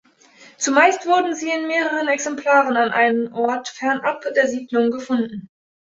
Zumeist wurden sie in mehreren Exemplaren an einem Ort fernab der Siedlung gefunden.